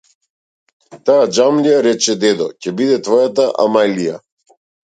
Таа џамлија, рече дедо, ќе биде твоја амајлија.